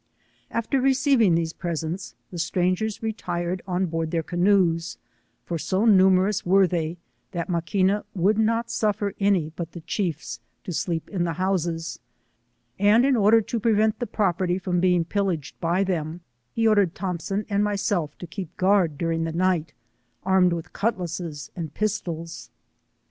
After receiving these presents, the strangers re tired on board their canoes, for so numerous were they, that Maquina would not suffer any but the chiefs to sleep in the houses ; and in order to pre vent the property from being pillaged by them, he ordered Thompson «nd myself to keep guard, dur ing the night, armed with cutlasses and pistols.